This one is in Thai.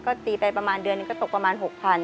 ก็ตีไปประมาณเดือนหนึ่งก็ตกประมาณ๖๐๐